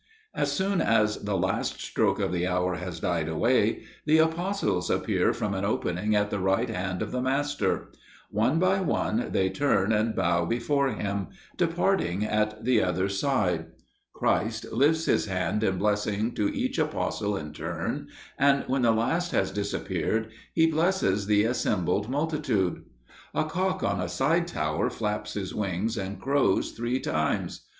As soon as the last stroke of the hour has died away, the apostles appear from an opening at the right hand of the Master. One by one they turn and bow before Him, departing at the other side. Christ lifts His hand in blessing to each apostle in turn, and when the last has disappeared, He blesses the assembled multitude. A cock on a side tower flaps his wings and crows three times.